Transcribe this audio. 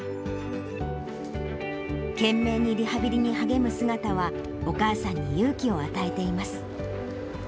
懸命にリハビリに励む姿は、お母さんに勇気を与えています。